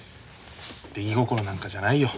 出来心なんかじゃないよ。